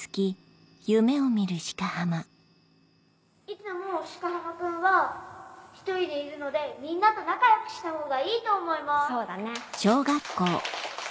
いつも鹿浜君は１人でいるのでみんなと仲良くしたほうがいいと思います